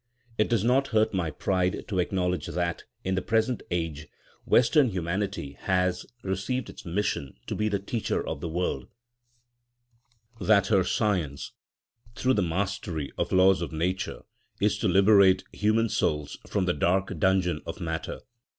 It does not hurt my pride to acknowledge that, in the present age, Western humanity has received its mission to be the teacher of the world; that her science, through the mastery of laws of nature, is to liberate human souls from the dark dungeon of matter.